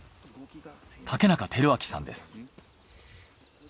竹中照明さんです。